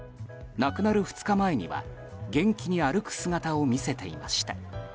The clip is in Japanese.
亡くなる２日前には元気に歩く姿を見せていました。